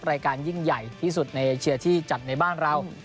รายการยิ่งใหญ่ที่สุดในเอเชียที่จัดในบ้านเรา